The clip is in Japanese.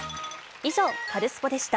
以上、カルスポっ！でした。